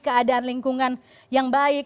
keadaan lingkungan yang baik